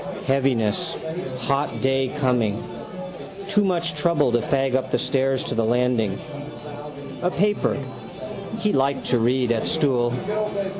Heaviness: hot day coming. Too much trouble to fag up the stairs to the landing. A paper. He liked to read at stool.